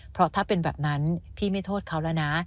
เพราะถ้าเป็นแบบนั้นพี่ไม่โทษเขาแล้วนะ